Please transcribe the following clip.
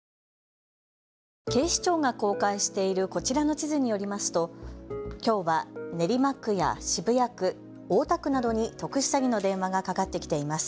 警視庁が公開しているこちらの地図によりますときょうは練馬区や渋谷区、大田区などに特殊詐欺の電話がかかってきています。